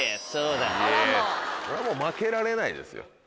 これはもう負けられないですよ。